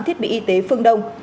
thiết bị y tế phương đông